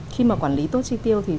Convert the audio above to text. khi mà quản lý tốt chi tiêu thì